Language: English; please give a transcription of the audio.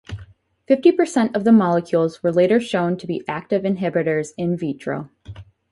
Fifty percent of the molecules were later shown to be active inhibitors "in vitro".